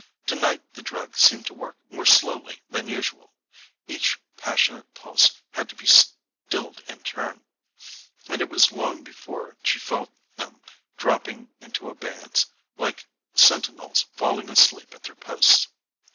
Tonight the drug seemed to work more slowly than usual: each passionate pulse had to be stilled in turn, and it was long before she felt them dropping into abeyance, like sentinels falling asleep at their posts.